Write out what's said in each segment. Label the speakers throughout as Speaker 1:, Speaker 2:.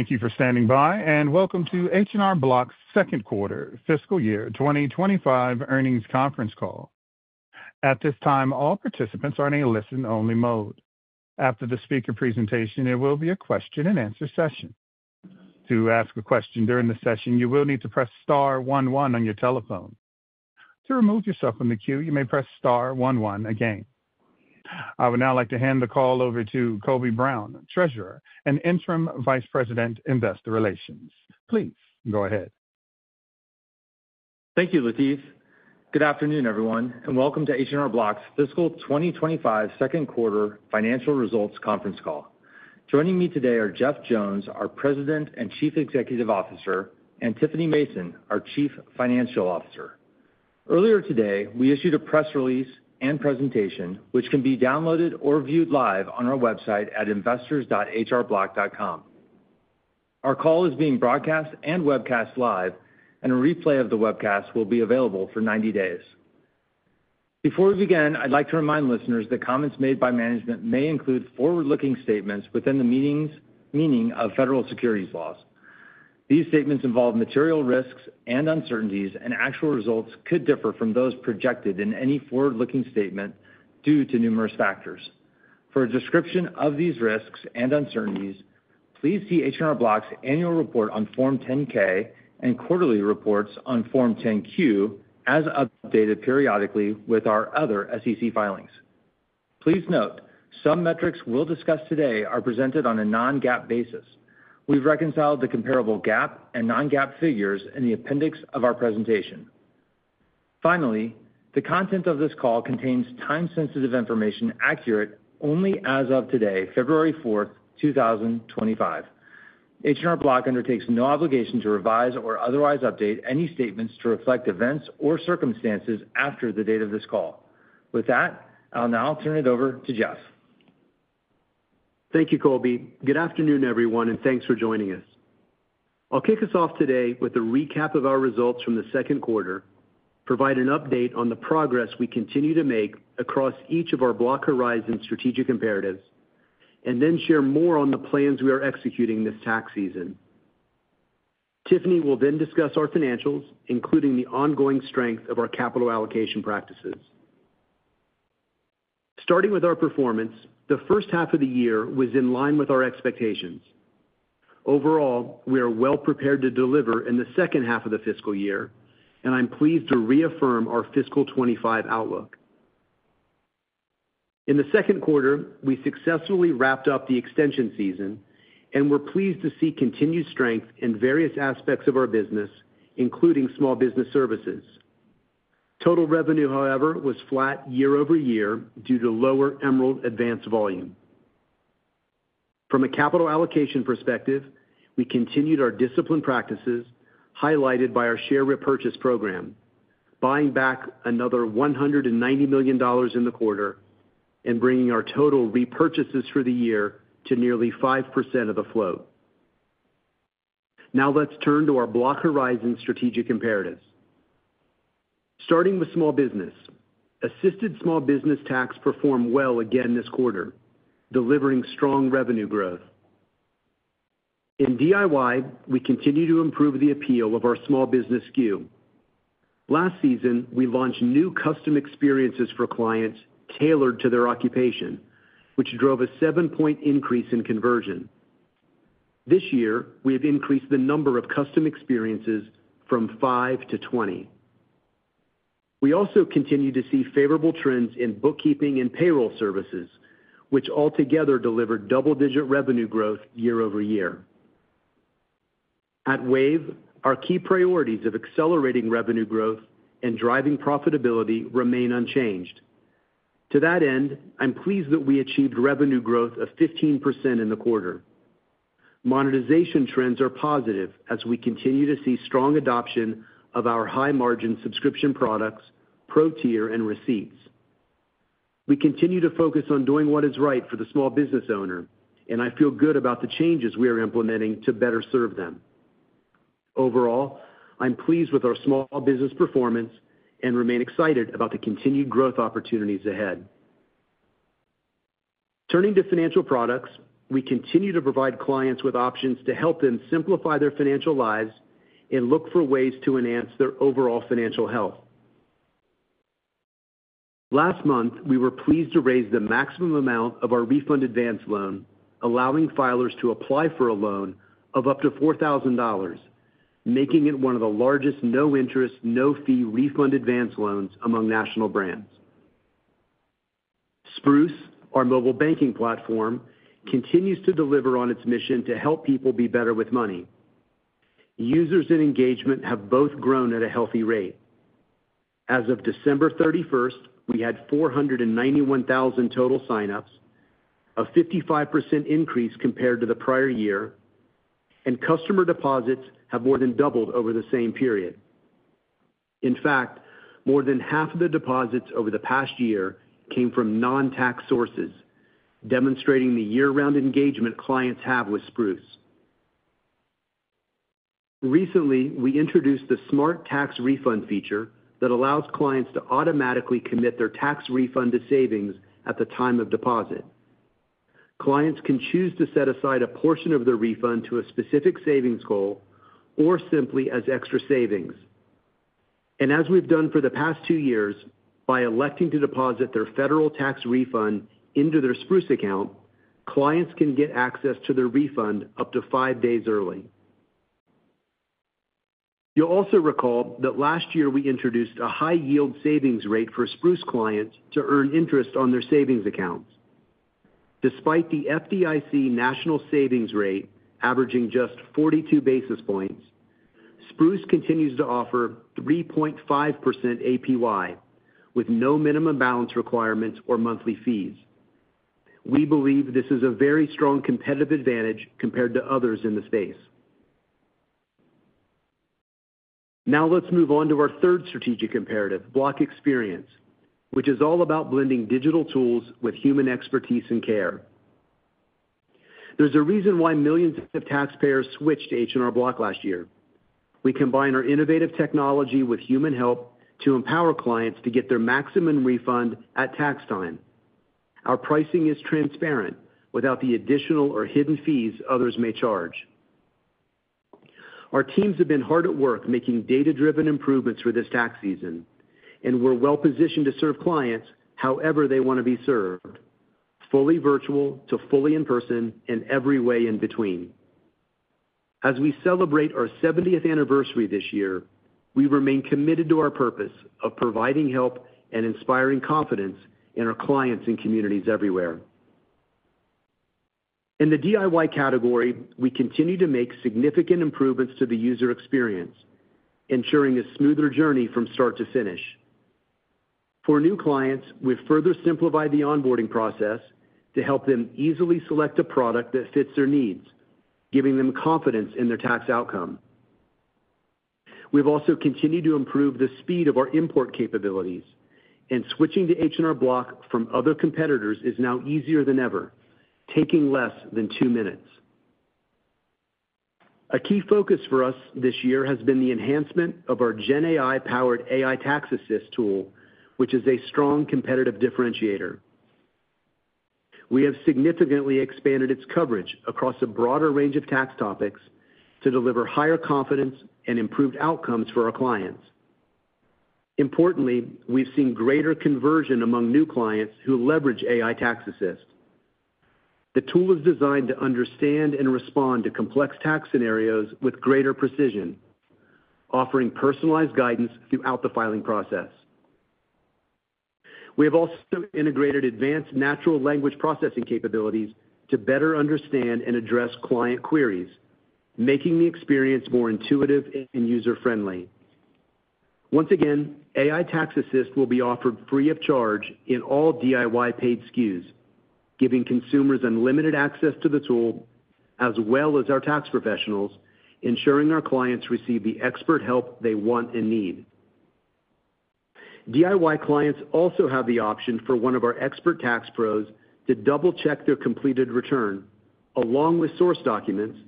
Speaker 1: Thank you for standing by, and welcome to H&R Block's second quarter, fiscal year 2025 earnings conference call. At this time, all participants are in a listen-only mode. After the speaker presentation, there will be a question-and-answer session. To ask a question during the session, you will need to press Star 11 on your telephone. To remove yourself from the queue, you may press Star 11 again. I would now like to hand the call over to Colby Brown, Treasurer and Interim Vice President, Investor Relations. Please go ahead.
Speaker 2: Thank you, Latif. Good afternoon, everyone, and welcome to H&R Block's fiscal 2025 second quarter financial results conference call. Joining me today are Jeff Jones, our President and Chief Executive Officer, and Tiffany Mason, our Chief Financial Officer. Earlier today, we issued a press release and presentation, which can be downloaded or viewed live on our website at investors.hrblock.com. Our call is being broadcast and webcast live, and a replay of the webcast will be available for 90 days. Before we begin, I'd like to remind listeners that comments made by management may include forward-looking statements within the meaning of federal securities laws. These statements involve material risks and uncertainties, and actual results could differ from those projected in any forward-looking statement due to numerous factors. For a description of these risks and uncertainties, please see H&R Block's annual report on Form 10-K and quarterly reports on Form 10-Q as updated periodically with our other SEC filings. Please note, some metrics we'll discuss today are presented on a non-GAAP basis. We've reconciled the comparable GAAP and non-GAAP figures in the appendix of our presentation. Finally, the content of this call contains time-sensitive information accurate only as of today, February 4, 2025. H&R Block undertakes no obligation to revise or otherwise update any statements to reflect events or circumstances after the date of this call. With that, I'll now turn it over to Jeff.
Speaker 3: Thank you, Colby. Good afternoon, everyone, and thanks for joining us. I'll kick us off today with a recap of our results from the second quarter, provide an update on the progress we continue to make across each of our Block Horizon strategic imperatives, and then share more on the plans we are executing this tax season. Tiffany will then discuss our financials, including the ongoing strength of our capital allocation practices. Starting with our performance, the first half of the year was in line with our expectations. Overall, we are well prepared to deliver in the second half of the fiscal year, and I'm pleased to reaffirm our fiscal 2025 outlook. In the second quarter, we successfully wrapped up the extension season, and we're pleased to see continued strength in various aspects of our business, including small business services. Total revenue, however, was flat year over year due to lower Emerald Advance volume. From a capital allocation perspective, we continued our discipline practices highlighted by our share repurchase program, buying back another $190 million in the quarter and bringing our total repurchases for the year to nearly 5% of the float. Now let's turn to our Block Horizon strategic imperatives. Starting with small business, assisted small business tax performed well again this quarter, delivering strong revenue growth. In DIY, we continue to improve the appeal of our small business SKU. Last season, we launched new custom experiences for clients tailored to their occupation, which drove a 7-point increase in conversion. This year, we have increased the number of custom experiences from 5 to 20. We also continue to see favorable trends in bookkeeping and payroll services, which altogether delivered double-digit revenue growth year over year. At Wave, our key priorities of accelerating revenue growth and driving profitability remain unchanged. To that end, I'm pleased that we achieved revenue growth of 15% in the quarter. Monetization trends are positive as we continue to see strong adoption of our high-margin subscription products, Pro Tier, and Receipts. We continue to focus on doing what is right for the small business owner, and I feel good about the changes we are implementing to better serve them. Overall, I'm pleased with our small business performance and remain excited about the continued growth opportunities ahead. Turning to financial products, we continue to provide clients with options to help them simplify their financial lives and look for ways to enhance their overall financial health. Last month, we were pleased to raise the maximum amount of our Refund Advance loan, allowing filers to apply for a loan of up to $4,000, making it one of the largest no-interest, no-fee Refund Advance loans among national brands. Spruce, our mobile banking platform, continues to deliver on its mission to help people be better with money. Users and engagement have both grown at a healthy rate. As of December 31st, we had 491,000 total signups, a 55% increase compared to the prior year, and customer deposits have more than doubled over the same period. In fact, more than half of the deposits over the past year came from non-tax sources, demonstrating the year-round engagement clients have with Spruce. Recently, we introduced the Smart Tax Refund feature that allows clients to automatically commit their tax refund to savings at the time of deposit. Clients can choose to set aside a portion of their refund to a specific savings goal or simply as extra savings. And as we've done for the past two years, by electing to deposit their federal tax refund into their Spruce account, clients can get access to their refund up to five days early. You'll also recall that last year we introduced a high-yield savings rate for Spruce clients to earn interest on their savings accounts. Despite the FDIC national savings rate averaging just 42 basis points, Spruce continues to offer 3.5% APY with no minimum balance requirements or monthly fees. We believe this is a very strong competitive advantage compared to others in the space. Now let's move on to our third strategic imperative, Block Experience, which is all about blending digital tools with human expertise and care. There's a reason why millions of taxpayers switched to H&R Block last year. We combine our innovative technology with human help to empower clients to get their maximum refund at tax time. Our pricing is transparent without the additional or hidden fees others may charge. Our teams have been hard at work making data-driven improvements for this tax season, and we're well positioned to serve clients however they want to be served, fully virtual to fully in-person and every way in between. As we celebrate our 70th anniversary this year, we remain committed to our purpose of providing help and inspiring confidence in our clients and communities everywhere. In the DIY category, we continue to make significant improvements to the user experience, ensuring a smoother journey from start to finish. For new clients, we've further simplified the onboarding process to help them easily select a product that fits their needs, giving them confidence in their tax outcome. We've also continued to improve the speed of our import capabilities, and switching to H&R Block from other competitors is now easier than ever, taking less than two minutes. A key focus for us this year has been the enhancement of our gen AI-powered AI Tax Assist tool, which is a strong competitive differentiator. We have significantly expanded its coverage across a broader range of tax topics to deliver higher confidence and improved outcomes for our clients. Importantly, we've seen greater conversion among new clients who leverage AI Tax Assist. The tool is designed to understand and respond to complex tax scenarios with greater precision, offering personalized guidance throughout the filing process. We have also integrated advanced natural language processing capabilities to better understand and address client queries, making the experience more intuitive and user-friendly. Once again, AI Tax Assist will be offered free of charge in all DIY paid SKUs, giving consumers unlimited access to the tool as well as our tax professionals, ensuring our clients receive the expert help they want and need. DIY clients also have the option for one of our expert tax pros to double-check their completed return along with source documents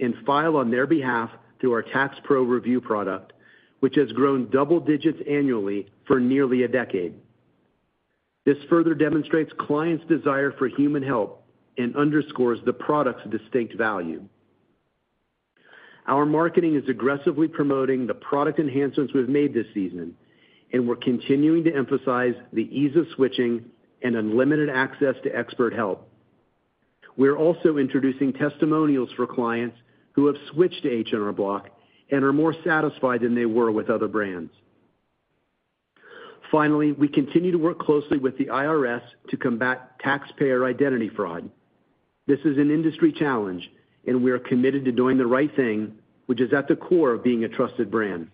Speaker 3: and file on their behalf through our Tax Pro Review product, which has grown double digits annually for nearly a decade. This further demonstrates clients' desire for human help and underscores the product's distinct value. Our marketing is aggressively promoting the product enhancements we've made this season, and we're continuing to emphasize the ease of switching and unlimited access to expert help. We're also introducing testimonials for clients who have switched to H&R Block and are more satisfied than they were with other brands. Finally, we continue to work closely with the IRS to combat taxpayer identity fraud. This is an industry challenge, and we are committed to doing the right thing, which is at the core of being a trusted brand.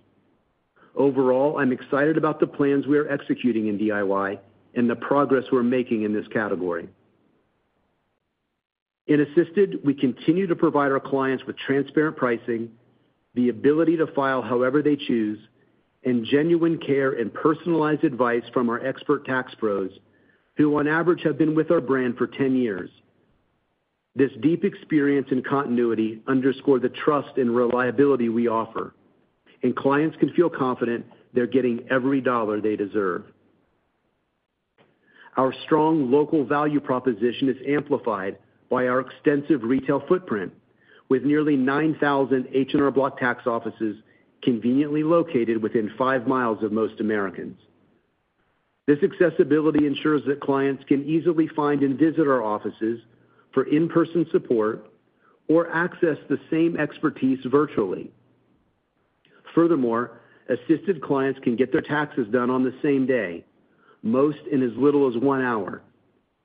Speaker 3: Overall, I'm excited about the plans we are executing in DIY and the progress we're making in this category. In Assisted, we continue to provide our clients with transparent pricing, the ability to file however they choose, and genuine care and personalized advice from our expert tax pros, who on average have been with our brand for 10 years. This deep experience and continuity underscore the trust and reliability we offer, and clients can feel confident they're getting every dollar they deserve. Our strong local value proposition is amplified by our extensive retail footprint, with nearly 9,000 H&R Block tax offices conveniently located within five miles of most Americans. This accessibility ensures that clients can easily find and visit our offices for in-person support or access the same expertise virtually. Furthermore, assisted clients can get their taxes done on the same day, most in as little as one hour,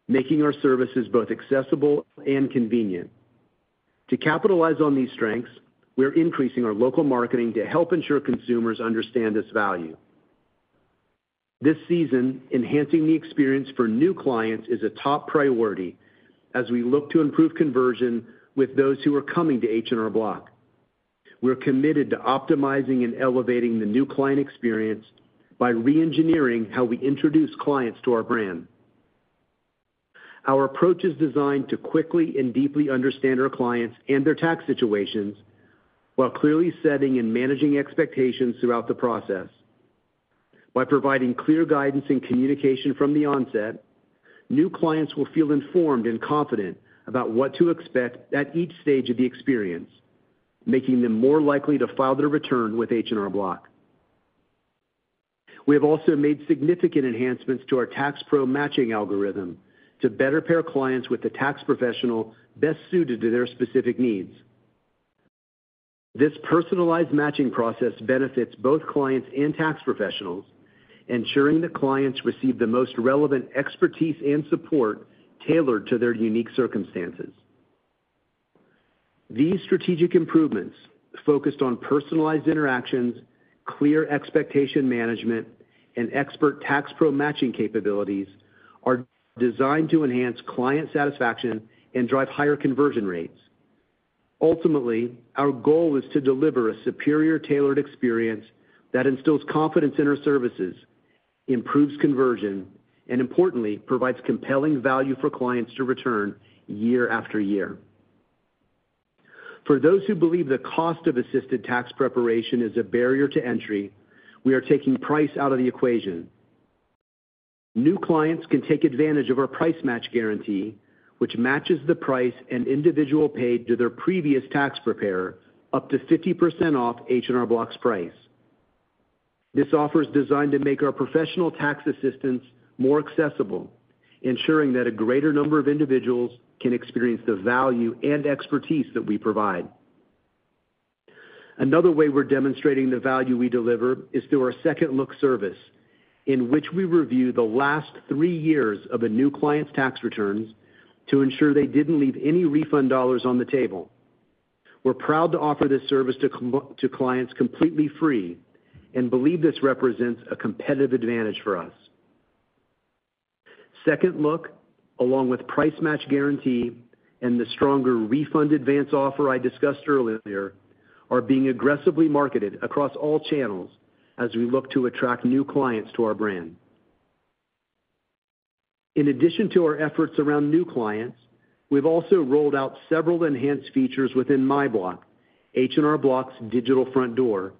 Speaker 3: making our services both accessible and convenient. To capitalize on these strengths, we're increasing our local marketing to help ensure consumers understand this value. This season, enhancing the experience for new clients is a top priority as we look to improve conversion with those who are coming to H&R Block. We're committed to optimizing and elevating the new client experience by re-engineering how we introduce clients to our brand. Our approach is designed to quickly and deeply understand our clients and their tax situations while clearly setting and managing expectations throughout the process. By providing clear guidance and communication from the onset, new clients will feel informed and confident about what to expect at each stage of the experience, making them more likely to file their return with H&R Block. We have also made significant enhancements to our Tax Pro matching algorithm to better pair clients with the tax professional best suited to their specific needs. This personalized matching process benefits both clients and tax professionals, ensuring that clients receive the most relevant expertise and support tailored to their unique circumstances. These strategic improvements, focused on personalized interactions, clear expectation management, and expert Tax Pro matching capabilities, are designed to enhance client satisfaction and drive higher conversion rates. Ultimately, our goal is to deliver a superior tailored experience that instills confidence in our services, improves conversion, and importantly, provides compelling value for clients to return year after year. For those who believe the cost of assisted tax preparation is a barrier to entry, we are taking price out of the equation. New clients can take advantage of our Price Match Guarantee, which matches the price an individual paid to their previous tax preparer up to 50% off H&R Block's price. This offer is designed to make our professional tax assistance more accessible, ensuring that a greater number of individuals can experience the value and expertise that we provide. Another way we're demonstrating the value we deliver is through our Second Look service, in which we review the last three years of a new client's tax returns to ensure they didn't leave any refund dollars on the table. We're proud to offer this service to clients completely free and believe this represents a competitive advantage for us. Second Look, along with Price Match Guarantee and the stronger Refund Advance offer I discussed earlier, are being aggressively marketed across all channels as we look to attract new clients to our brand. In addition to our efforts around new clients, we've also rolled out several enhanced features within My Block, H&R Block's digital front door,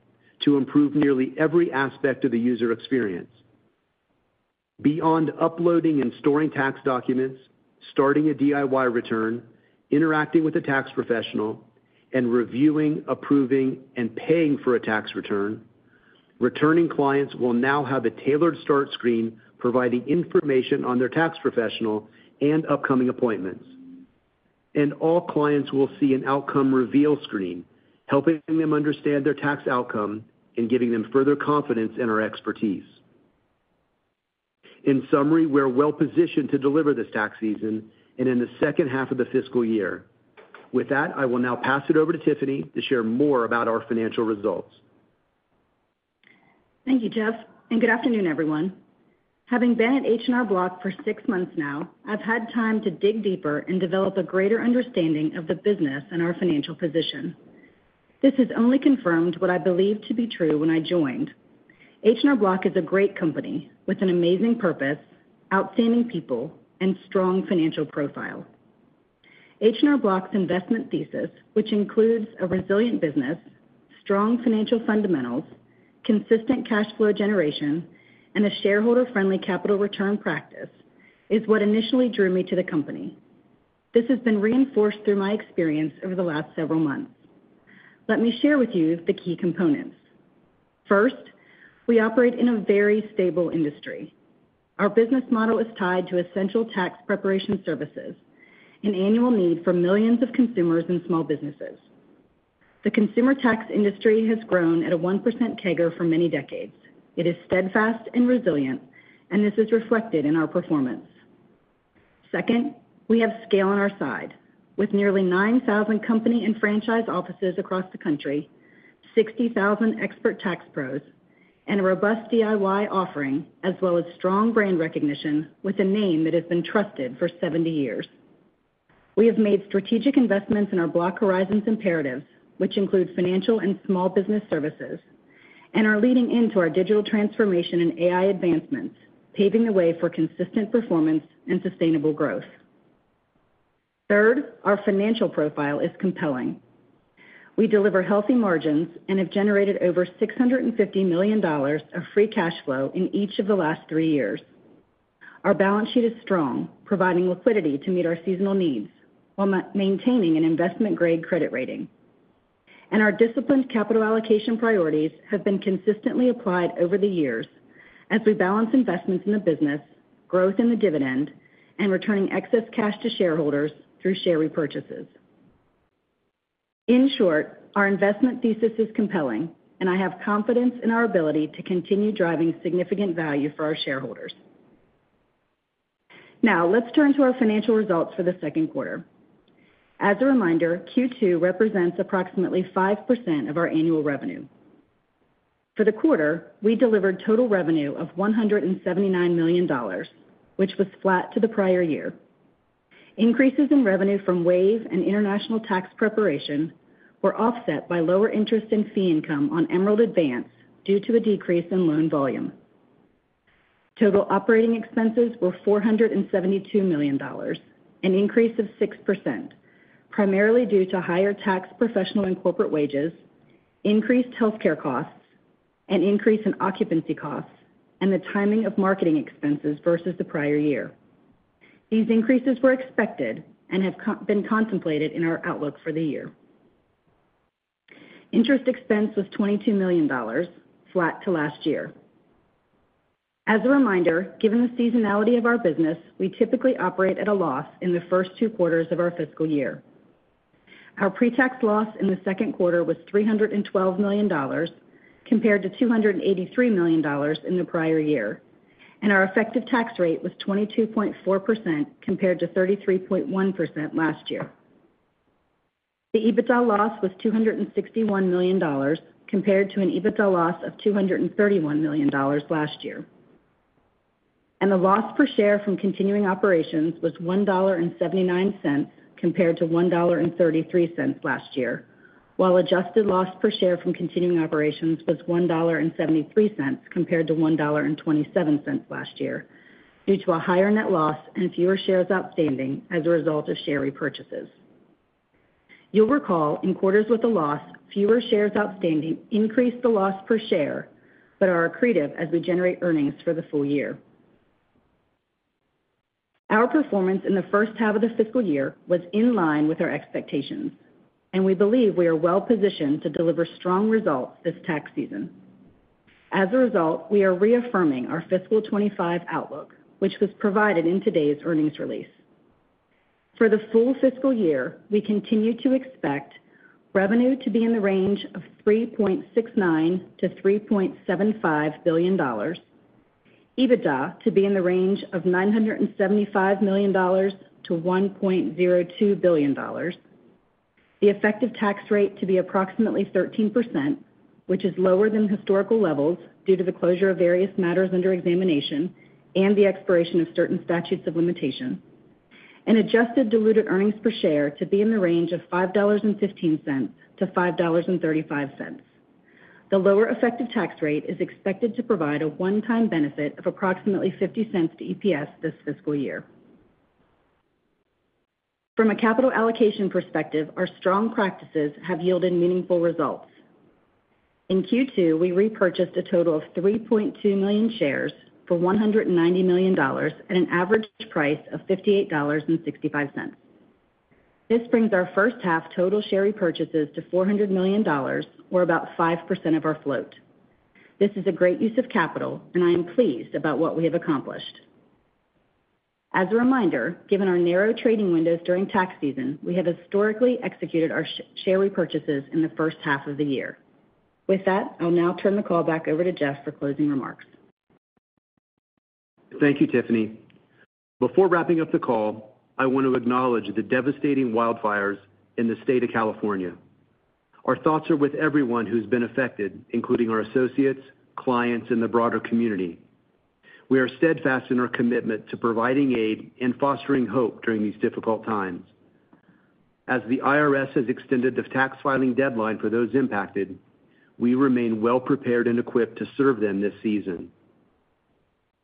Speaker 3: to improve nearly every aspect of the user experience. Beyond uploading and storing tax documents, starting a DIY return, interacting with a tax professional, and reviewing, approving, and paying for a tax return, returning clients will now have a tailored start screen providing information on their tax professional and upcoming appointments, and all clients will see an outcome reveal screen, helping them understand their tax outcome and giving them further confidence in our expertise. In summary, we're well positioned to deliver this tax season and in the second half of the fiscal year. With that, I will now pass it over to Tiffany to share more about our financial results.
Speaker 4: Thank you, Jeff, and good afternoon, everyone. Having been at H&R Block for six months now, I've had time to dig deeper and develop a greater understanding of the business and our financial position. This has only confirmed what I believe to be true when I joined. H&R Block is a great company with an amazing purpose, outstanding people, and strong financial profile. H&R Block's investment thesis, which includes a resilient business, strong financial fundamentals, consistent cash flow generation, and a shareholder-friendly capital return practice, is what initially drew me to the company. This has been reinforced through my experience over the last several months. Let me share with you the key components. First, we operate in a very stable industry. Our business model is tied to essential tax preparation services, an annual need for millions of consumers and small businesses. The consumer tax industry has grown at a 1% CAGR for many decades. It is steadfast and resilient, and this is reflected in our performance. Second, we have scale on our side, with nearly 9,000 company and franchise offices across the country, 60,000 expert tax pros, and a robust DIY offering, as well as strong brand recognition with a name that has been trusted for 70 years. We have made strategic investments in our Block Horizon imperatives, which include financial and small business services, and are leading into our digital transformation and AI advancements, paving the way for consistent performance and sustainable growth. Third, our financial profile is compelling. We deliver healthy margins and have generated over $650 million of free cash flow in each of the last three years. Our balance sheet is strong, providing liquidity to meet our seasonal needs while maintaining an investment-grade credit rating, and our disciplined capital allocation priorities have been consistently applied over the years as we balance investments in the business, growth in the dividend, and returning excess cash to shareholders through share repurchases. In short, our investment thesis is compelling, and I have confidence in our ability to continue driving significant value for our shareholders. Now, let's turn to our financial results for the second quarter. As a reminder, Q2 represents approximately 5% of our annual revenue. For the quarter, we delivered total revenue of $179 million, which was flat to the prior year. Increases in revenue from Wave and international tax preparation were offset by lower interest and fee income on Emerald Advance due to a decrease in loan volume. Total operating expenses were $472 million, an increase of 6%, primarily due to higher tax professional and corporate wages, increased healthcare costs, an increase in occupancy costs, and the timing of marketing expenses versus the prior year. These increases were expected and have been contemplated in our outlook for the year. Interest expense was $22 million, flat to last year. As a reminder, given the seasonality of our business, we typically operate at a loss in the first two quarters of our fiscal year. Our pre-tax loss in the second quarter was $312 million compared to $283 million in the prior year, and our effective tax rate was 22.4% compared to 33.1% last year. The EBITDA loss was $261 million compared to an EBITDA loss of $231 million last year, and the loss per share from continuing operations was $1.79 compared to $1.33 last year, while adjusted loss per share from continuing operations was $1.73 compared to $1.27 last year due to a higher net loss and fewer shares outstanding as a result of share repurchases. You'll recall, in quarters with a loss, fewer shares outstanding increase the loss per share, but are accretive as we generate earnings for the full year. Our performance in the first half of the fiscal year was in line with our expectations, and we believe we are well positioned to deliver strong results this tax season. As a result, we are reaffirming our Fiscal 25 outlook, which was provided in today's earnings release. For the full fiscal year, we continue to expect revenue to be in the range of $3.69 billion-$3.75 billion, EBITDA to be in the range of $975 million to $1.02 billion, the effective tax rate to be approximately 13%, which is lower than historical levels due to the closure of various matters under examination and the expiration of certain statutes of limitation, and adjusted diluted earnings per share to be in the range of $5.15-$5.35. The lower effective tax rate is expected to provide a one-time benefit of approximately $0.50 to EPS this fiscal year. From a capital allocation perspective, our strong practices have yielded meaningful results. In Q2, we repurchased a total of 3.2 million shares for $190 million at an average price of $58.65. This brings our first half total share repurchases to $400 million, or about 5% of our float. This is a great use of capital, and I am pleased about what we have accomplished. As a reminder, given our narrow trading windows during tax season, we have historically executed our share repurchases in the first half of the year. With that, I'll now turn the call back over to Jeff for closing remarks.
Speaker 3: Thank you, Tiffany. Before wrapping up the call, I want to acknowledge the devastating wildfires in the state of California. Our thoughts are with everyone who's been affected, including our associates, clients, and the broader community. We are steadfast in our commitment to providing aid and fostering hope during these difficult times. As the IRS has extended the tax filing deadline for those impacted, we remain well prepared and equipped to serve them this season.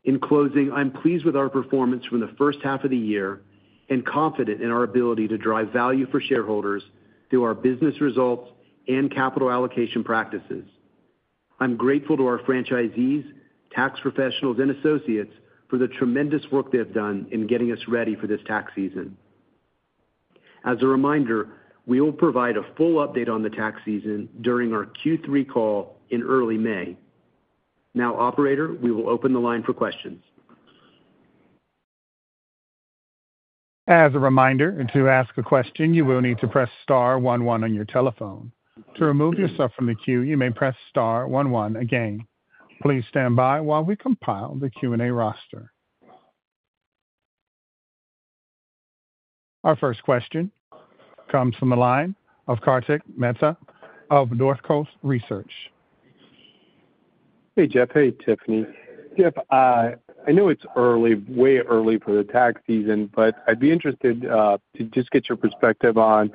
Speaker 3: In closing, I'm pleased with our performance from the first half of the year and confident in our ability to drive value for shareholders through our business results and capital allocation practices. I'm grateful to our franchisees, tax professionals, and associates for the tremendous work they have done in getting us ready for this tax season. As a reminder, we will provide a full update on the tax season during our Q3 call in early May. Now, Operator, we will open the line for questions.
Speaker 1: As a reminder, to ask a question, you will need to press star 11 on your telephone. To remove yourself from the queue, you may press star 11 again. Please stand by while we compile the Q&A roster. Our first question comes from the line of Kartik Meht of Northcoast Research.
Speaker 5: Hey, Jeff. Hey, Tiffany. Jeff, I know it's early, way early for the tax season, but I'd be interested to just get your perspective on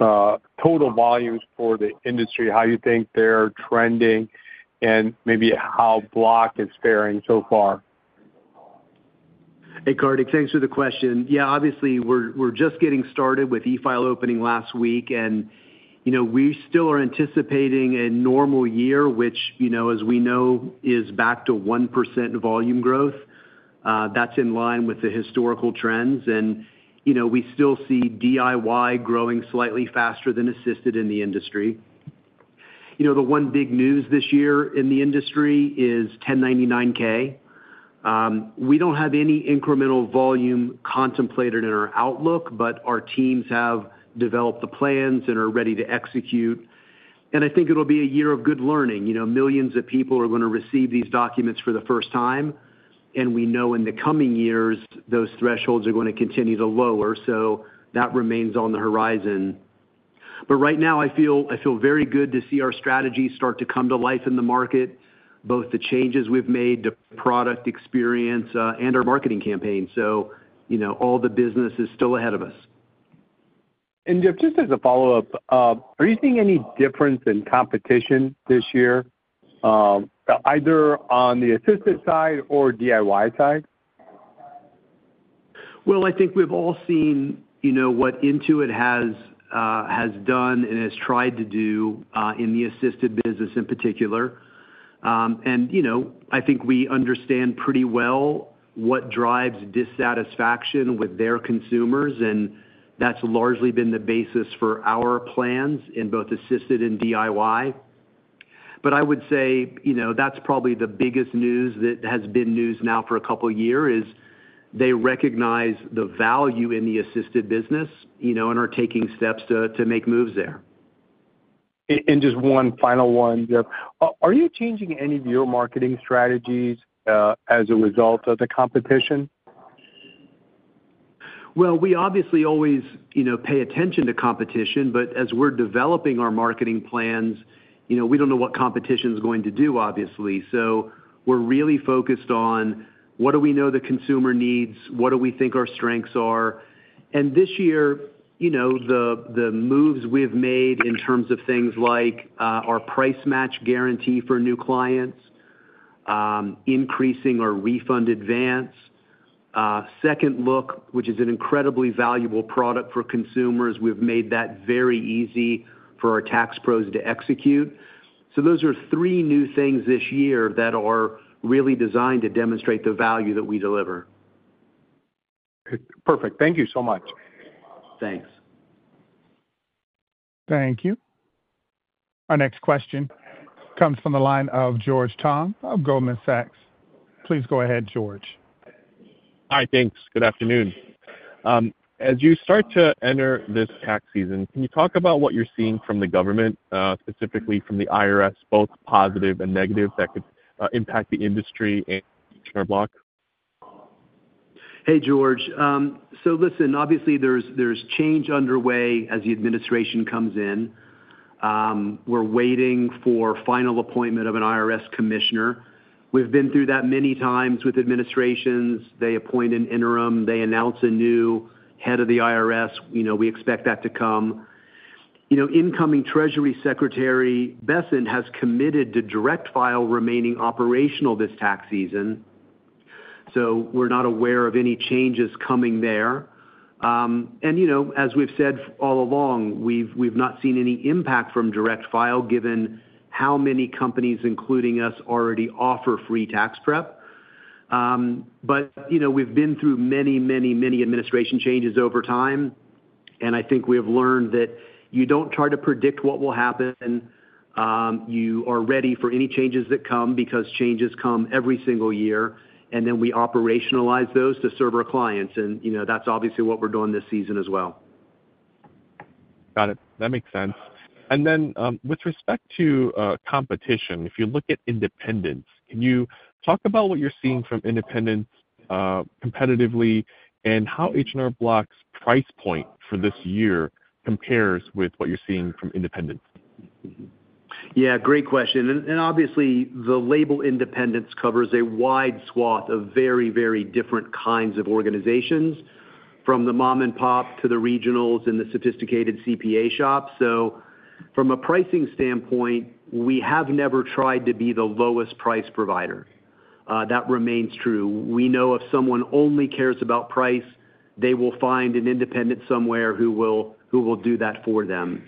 Speaker 5: total volumes for the industry, how you think they're trending, and maybe how Block is faring so far.
Speaker 3: Hey, Kartik, thanks for the question. Yeah, obviously, we're just getting started with e-file opening last week, and we still are anticipating a normal year, which, as we know, is back to 1% volume growth. That's in line with the historical trends, and we still see DIY growing slightly faster than assisted in the industry. The one big news this year in the industry is 1099-K. We don't have any incremental volume contemplated in our outlook, but our teams have developed the plans and are ready to execute. And I think it'll be a year of good learning. Millions of people are going to receive these documents for the first time, and we know in the coming years, those thresholds are going to continue to lower, so that remains on the horizon. But right now, I feel very good to see our strategy start to come to life in the market, both the changes we've made to product experience and our marketing campaign. So all the business is still ahead of us.
Speaker 5: And Jeff, just as a follow-up, are you seeing any difference in competition this year, either on the assisted side or DIY side?
Speaker 3: Well, I think we've all seen what Intuit has done and has tried to do in the assisted business in particular. And I think we understand pretty well what drives dissatisfaction with their consumers, and that's largely been the basis for our plans in both assisted and DIY. But I would say that's probably the biggest news that has been news now for a couple of years is they recognize the value in the assisted business and are taking steps to make moves there.
Speaker 5: And just one final one, Jeff. Are you changing any of your marketing strategies as a result of the competition?
Speaker 3: Well, we obviously always pay attention to competition, but as we're developing our marketing plans, we don't know what competition is going to do, obviously. So we're really focused on what do we know the consumer needs, what do we think our strengths are. And this year, the moves we've made in terms of things like our Price Match Guarantee for new clients, increasing our Refund Advance, Second Look, which is an incredibly valuable product for consumers. We've made that very easy for our tax pros to execute. So those are three new things this year that are really designed to demonstrate the value that we deliver.
Speaker 5: Perfect. Thank you so much.
Speaker 3: Thanks.
Speaker 1: Thank you. Our next question comes from the line of George Tong of Goldman Sachs. Please go ahead, George.
Speaker 6: Hi, thanks. Good afternoon. As you start to enter this tax season, can you talk about what you're seeing from the government, specifically from the IRS, both positive and negative, that could impact the industry and Block?
Speaker 3: Hey, George. So listen, obviously, there's change underway as the administration comes in. We're waiting for final appointment of an IRS commissioner. We've been through that many times with administrations. They appoint an interim, they announce a new head of the IRS. We expect that to come. Incoming Treasury Secretary Bessent has committed to Direct File remaining operational this tax season. So we're not aware of any changes coming there. And as we've said all along, we've not seen any impact from Direct File given how many companies, including us, already offer free tax prep. But we've been through many, many, many administration changes over time, and I think we have learned that you don't try to predict what will happen. You are ready for any changes that come because changes come every single year, and then we operationalize those to serve our clients. And that's obviously what we're doing this season as well.
Speaker 6: Got it. That makes sense. And then with respect to competition, if you look at independents, can you talk about what you're seeing from independents competitively and how H&R Block's price point for this year compares with what you're seeing from independents?
Speaker 3: Yeah, great question. And obviously, the label independents covers a wide swath of very, very different kinds of organizations, from the mom-and-pop to the regionals and the sophisticated CPA shops. So from a pricing standpoint, we have never tried to be the lowest price provider. That remains true. We know if someone only cares about price, they will find an independent somewhere who will do that for them.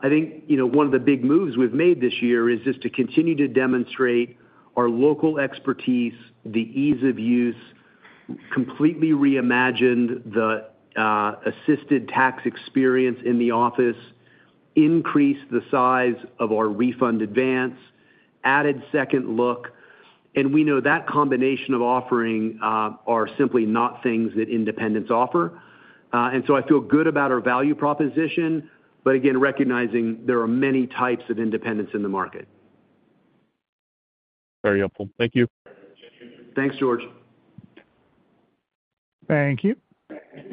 Speaker 3: I think one of the big moves we've made this year is just to continue to demonstrate our local expertise, the ease of use, completely reimagined the assisted tax experience in the office, increased the size of our Refund Advance, added Second Look. And we know that combination of offering are simply not things that independents offer. And so I feel good about our value proposition, but again, recognizing there are many types of independents in the market.
Speaker 6: Very helpful. Thank you.
Speaker 3: Thanks, George.
Speaker 1: Thank you.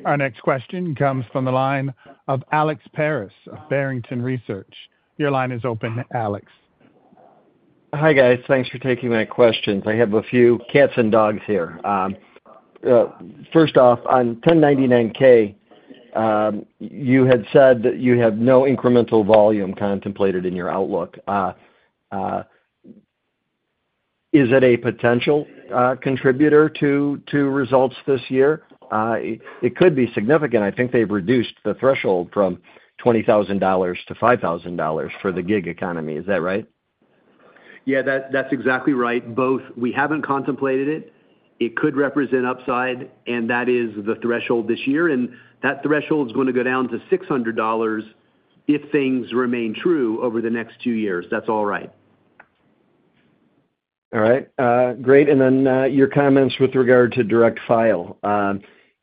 Speaker 1: Our next question comes from the line of Alex Paris of Barrington Research. Your line is open, Alex.
Speaker 7: Hi guys. Thanks for taking my questions. I have a few cats and dogs here. First off, on 1099-K, you had said that you have no incremental volume contemplated in your outlook. Is it a potential contributor to results this year? It could be significant. I think they've reduced the threshold from $20,000 to $5,000 for the gig economy. Is that right?
Speaker 3: Yeah, that's exactly right. But we haven't contemplated it. It could represent upside, and that is the threshold this year. And that threshold is going to go down to $600 if things remain true over the next two years. That's all right.
Speaker 7: All right. Great. And then your comments with regard to Direct File.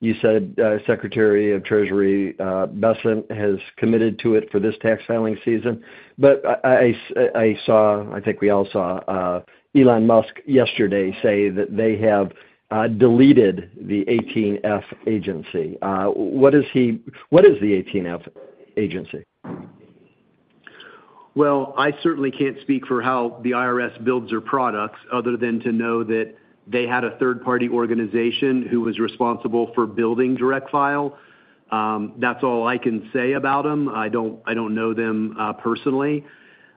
Speaker 7: You said Secretary of Treasury Bessent has committed to it for this tax filing season, but I saw, I think we all saw, Elon Musk yesterday say that they have deleted the 18F agency. What is the 18F agency,
Speaker 3: well? I certainly can't speak for how the IRS builds their products other than to know that they had a third-party organization who was responsible for building Direct File. That's all I can say about them. I don't know them personally,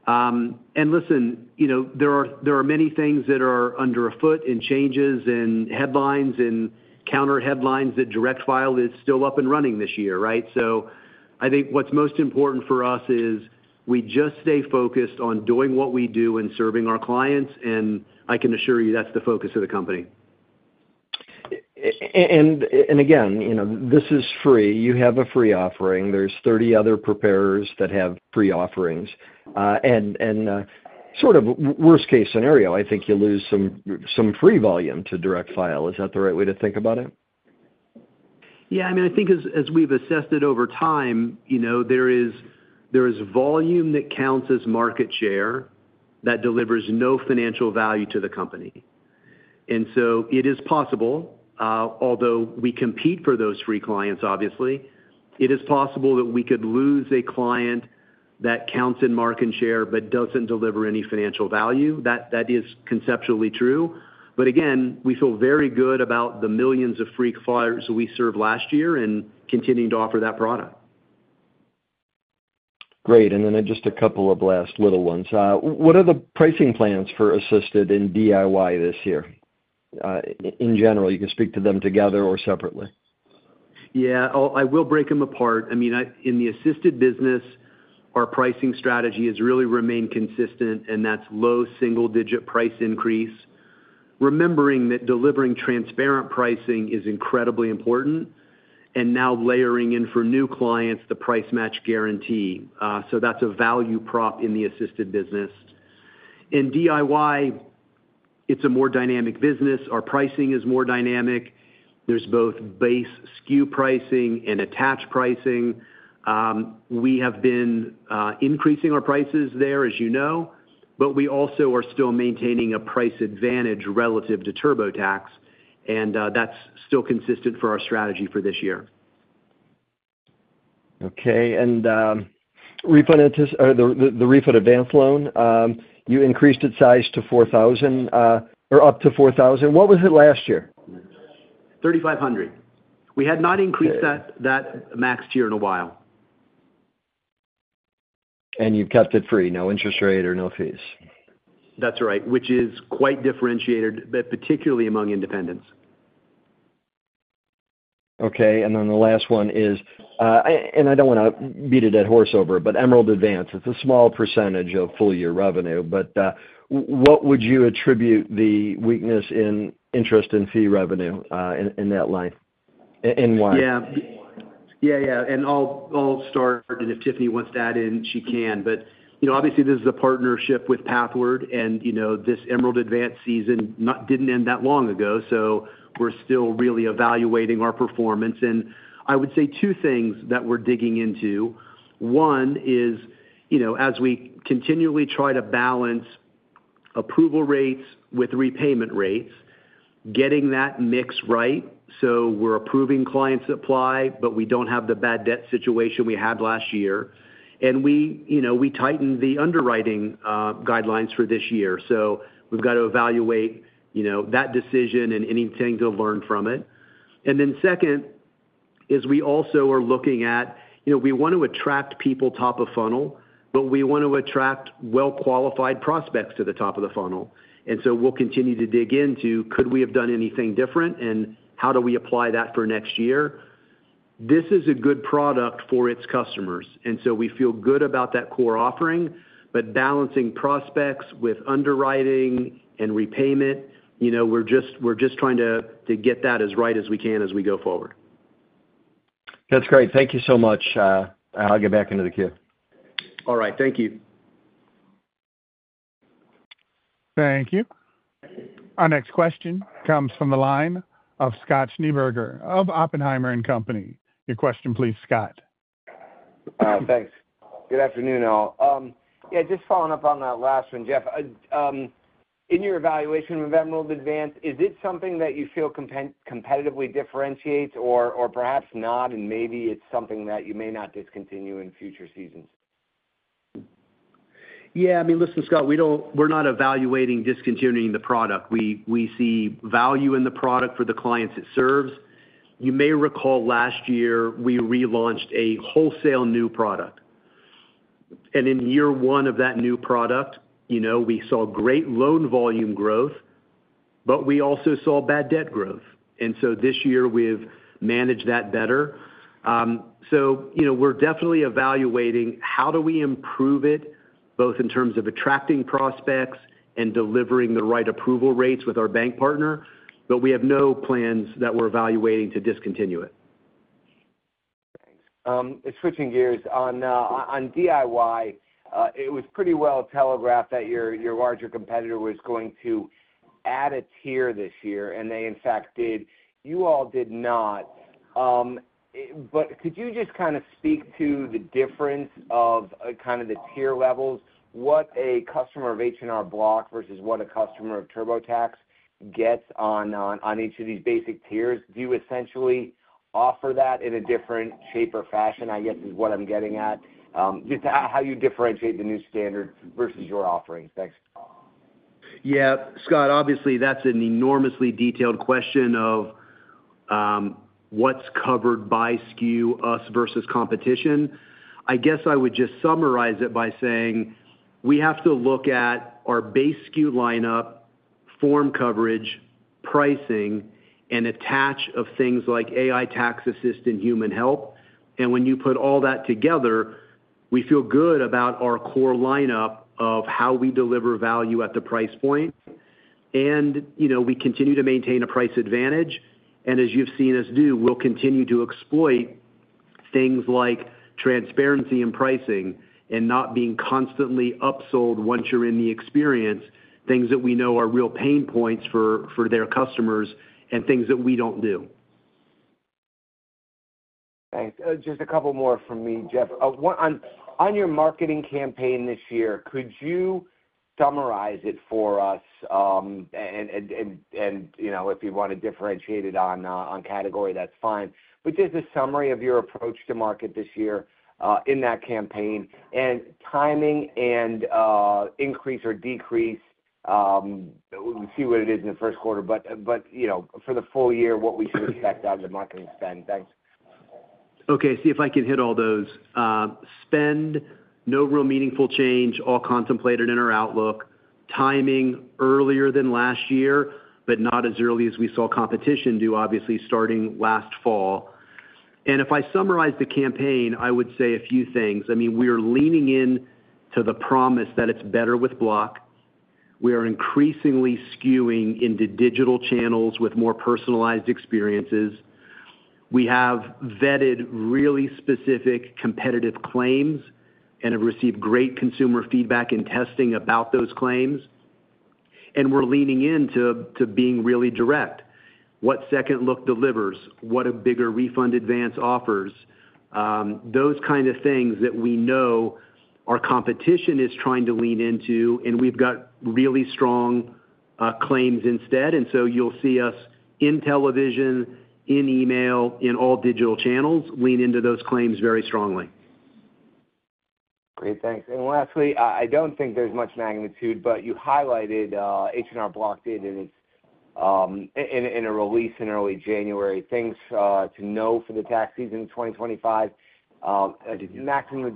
Speaker 3: and listen, there are many things that are underfoot and changes and headlines and counter headlines that Direct File is still up and running this year, right, so I think what's most important for us is we just stay focused on doing what we do and serving our clients, and I can assure you that's the focus of the company,
Speaker 7: and again, this is free. You have a free offering. There's 30 other preparers that have free offerings. And sort of worst-case scenario, I think you lose some free volume to Direct File. Is that the right way to think about it?
Speaker 3: Yeah. I mean, I think as we've assessed it over time, there is volume that counts as market share that delivers no financial value to the company. And so it is possible, although we compete for those free clients, obviously, it is possible that we could lose a client that counts in market share but doesn't deliver any financial value. That is conceptually true. But again, we feel very good about the millions of free filers we served last year and continuing to offer that product.
Speaker 7: Great. And then just a couple of last little ones. What are the pricing plans for assisted and DIY this year? In general, you can speak to them together or separately.
Speaker 3: Yeah. I will break them apart. I mean, in the assisted business, our pricing strategy has really remained consistent, and that's low single-digit price increase, remembering that delivering transparent pricing is incredibly important, and now layering in for new clients the Price Match Guarantee. So that's a value prop in the assisted business. In DIY, it's a more dynamic business. Our pricing is more dynamic. There's both base SKU pricing and attached pricing. We have been increasing our prices there, as you know, but we also are still maintaining a price advantage relative to TurboTax, and that's still consistent for our strategy for this year.
Speaker 7: Okay. And the Refund Advance loan, you increased its size to $4,000 or up to $4,000. What was it last year?
Speaker 3: $3,500. We had not increased that max in a while.
Speaker 7: And you've kept it free, no interest rate or no fees.
Speaker 3: That's right, which is quite differentiated, but particularly among independents.
Speaker 7: Okay. And then the last one is, and I don't want to beat a dead horse over it, but Emerald Advance. It's a small percentage of full-year revenue. But what would you attribute the weakness in interest and fee revenue in that line and why?
Speaker 3: Yeah. Yeah, yeah. And I'll start, and if Tiffany wants to add in, she can. But obviously, this is a partnership with Pathward, and this Emerald Advance season didn't end that long ago, so we're still really evaluating our performance. And I would say two things that we're digging into. One is, as we continually try to balance approval rates with repayment rates, getting that mix right. So we're approving clients that apply, but we don't have the bad debt situation we had last year. And we tightened the underwriting guidelines for this year. So we've got to evaluate that decision and anything to learn from it. And then second is we also are looking at we want to attract people top of funnel, but we want to attract well-qualified prospects to the top of the funnel. And so we'll continue to dig into could we have done anything different and how do we apply that for next year. This is a good product for its customers, and so we feel good about that core offering, but balancing prospects with underwriting and repayment, we're just trying to get that as right as we can as we go forward.
Speaker 7: That's great. Thank you so much. I'll get back into the queue.
Speaker 3: All right. Thank you.
Speaker 1: Thank you. Our next question comes from the line of Scott Schneeberger of Oppenheimer & Company. Your question, please, Scott.
Speaker 8: Thanks. Good afternoon, all. Yeah, just following up on that last one, Jeff. In your evaluation of Emerald Advance, is it something that you feel competitively differentiates or perhaps not, and maybe it's something that you may not discontinue in future seasons?
Speaker 3: Yeah. I mean, listen, Scott, we're not evaluating discontinuing the product. We see value in the product for the clients it serves. You may recall last year we relaunched a wholly new product. And in year one of that new product, we saw great loan volume growth, but we also saw bad debt growth. And so this year we've managed that better. So we're definitely evaluating how do we improve it, both in terms of attracting prospects and delivering the right approval rates with our bank partner, but we have no plans that we're evaluating to discontinue it.
Speaker 8: Thanks. Switching gears. On DIY, it was pretty well telegraphed that your larger competitor was going to add a tier this year, and they in fact did. You all did not. But could you just kind of speak to the difference of kind of the tier levels? What a customer of H&R Block versus what a customer of TurboTax gets on each of these basic tiers? Do you essentially offer that in a different shape or fashion, I guess, is what I'm getting at? Just how you differentiate the new standard versus your offerings. Thanks.
Speaker 3: Yeah. Scott, obviously, that's an enormously detailed question of what's covered by SKU, us versus competition. I guess I would just summarize it by saying we have to look at our base SKU lineup, form coverage, pricing, and attach of things like AI Tax Assist and human help. And when you put all that together, we feel good about our core lineup of how we deliver value at the price point. And we continue to maintain a price advantage. And as you've seen us do, we'll continue to exploit things like transparency in pricing and not being constantly upsold once you're in the experience, things that we know are real pain points for their customers and things that we don't do.
Speaker 8: Thanks. Just a couple more from me, Jeff. On your marketing campaign this year, could you summarize it for us? And if you want to differentiate it on category, that's fine. But just a summary of your approach to market this year in that campaign and timing and increase or decrease, see what it is in the first quarter, but for the full year, what we should expect out of the marketing spend. Thanks.
Speaker 3: Okay. See if I can hit all those. Spend, no real meaningful change, all contemplated in our outlook. Timing, earlier than last year, but not as early as we saw competition do, obviously, starting last fall. If I summarize the campaign, I would say a few things. I mean, we are leaning in to the promise that it's better with Block. We are increasingly skewing into digital channels with more personalized experiences. We have vetted really specific competitive claims and have received great consumer feedback and testing about those claims. We're leaning into being really direct. What Second Look delivers? What a bigger Refund Advance offers? Those kind of things that we know our competition is trying to lean into, and we've got really strong claims instead. You'll see us in television, in email, in all digital channels lean into those claims very strongly.
Speaker 8: Great. Thanks. And lastly, I don't think there's much magnitude, but you highlighted H&R Block did in a release in early January. Things to know for the tax season 2025. Maximum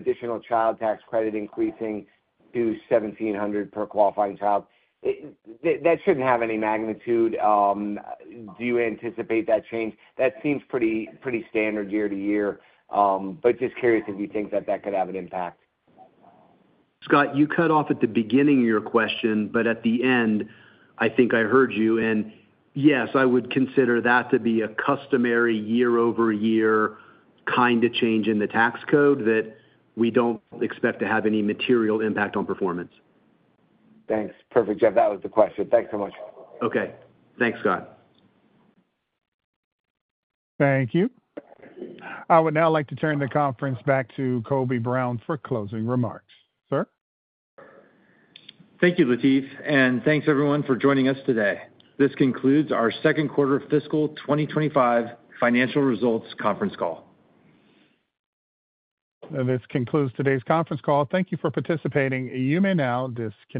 Speaker 8: additional child tax credit increasing to 1,700 per qualifying child. That shouldn't have any magnitude. Do you anticipate that change? That seems pretty standard year to year, but just curious if you think that that could have an impact.
Speaker 3: Scott, you cut off at the beginning of your question, but at the end, I think I heard you. And yes, I would consider that to be a customary year-over-year kind of change in the tax code that we don't expect to have any material impact on performance.
Speaker 8: Thanks. Perfect, Jeff. That was the question. Thanks so much.
Speaker 3: Okay. Thanks, Scott.
Speaker 1: Thank you. I would now like to turn the conference back to Colby Brown for closing remarks. Sir?
Speaker 2: Thank you, Latif. Thanks, everyone, for joining us today. This concludes our second quarter fiscal 2025 financial results conference call.
Speaker 1: This concludes today's conference call. Thank you for participating. You may now disconnect.